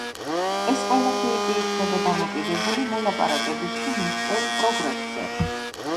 ეს ყველაფერი კი იქნება დამოკიდებული მოლაპარაკებებში მიღწეულ პროგრესზე.